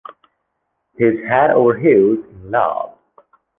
He’s head over heels in love.